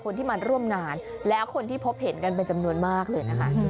คนที่มาร่วมงานแล้วคนที่พบเห็นกันเป็นจำนวนมากเลยนะคะ